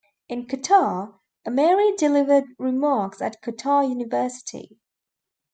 In Qatar, Ameri delivered remarks at Qatar University.